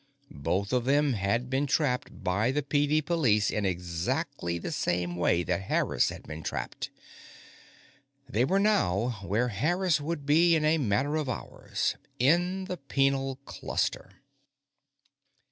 Both of them had been trapped by the PD Police in exactly the same way that Harris had been trapped. They were now where Harris would be in a matter of hours in the Penal Cluster.